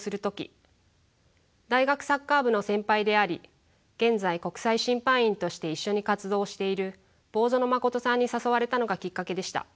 大学サッカー部の先輩であり現在国際審判員として一緒に活動をしている坊薗真琴さんに誘われたのがきっかけでした。